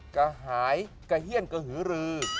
กระหายกระเฮียนกระหือรือ